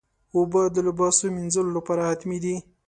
اوبه د لباسو مینځلو لپاره حتمي دي.